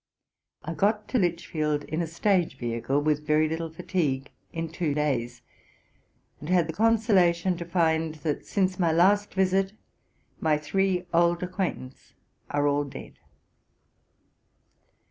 I got to Lichfield in a stage vehicle, with very little fatigue, in two days, and had the consolation to find, that since my last visit my three old acquaintance are all dead.